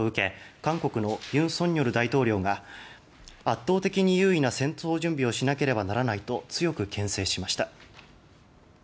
韓国の尹錫悦大統領が圧倒的に優位な戦争準備をしなければならないと強く牽制しました。